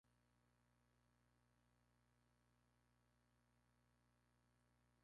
Tenían el dominio sobre Urrea de Jalón, El Bayo y Biota.